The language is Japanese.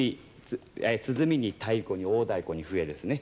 鼓に太鼓に大太鼓に笛ですね。